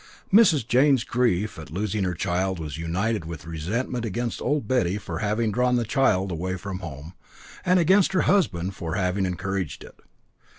Mrs. Jane's grief at losing her child was united with resentment against Old Betty for having drawn the child away from home, and against her husband for having encouraged it.